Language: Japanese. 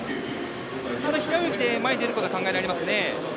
平泳ぎで前に出ることが考えられますね。